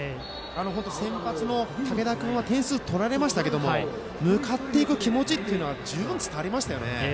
先発の竹田君は点数は取られましたけれども向かっていく気持ちというのは十分伝わりましたね。